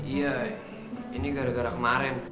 iya ini gara gara kemarin